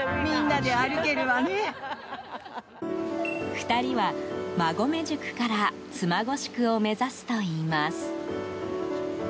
２人は馬籠宿から妻籠宿を目指すといいます。